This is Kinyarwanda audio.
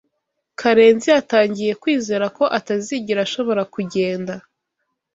Karenzi yatangiye kwizera ko atazigera ashobora kugenda.